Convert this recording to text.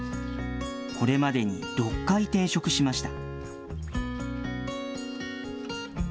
これまでに６回転職しました。